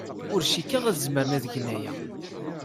Ur cikkeɣ ad zemren ad gen aya.